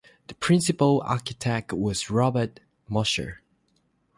The principal architect was Robert Mosher.